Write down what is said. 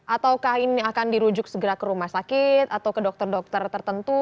ataukah ini akan dirujuk segera ke rumah sakit atau ke dokter dokter tertentu